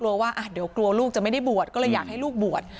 กลัวว่าเดี๋ยวกลัวลูกจะไม่ได้บวชก็เลยอยากให้ลูกบวช